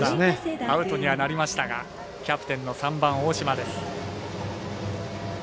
アウトにはなりましたがキャプテンの大島です。